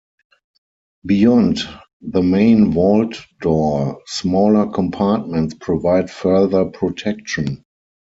Beyond the main vault door, smaller compartments provide further protection.